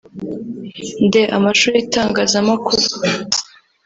d) Amashuri y’itangazamakuru